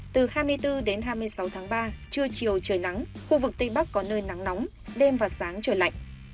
từ hai mươi bốn đến hai mươi sáu tháng ba chưa chiều trời nắng khu vực tây bắc có nơi nắng nóng đêm và sáng trời lạnh